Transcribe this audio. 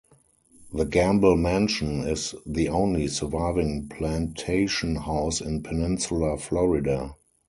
The Gamble Mansion is the only surviving plantation house in peninsular Florida.